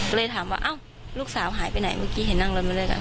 ก็เลยถามว่าอ้าวลูกสาวหายไปไหนเมื่อกี้เห็นนั่งรถมาด้วยกัน